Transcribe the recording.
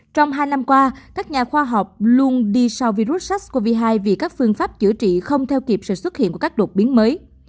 trong hai năm qua các nhà khoa học luôn đi sau virus sars cov hai vì các phương pháp chữa trị không theo kịp sự xuất hiện của các đột biến mới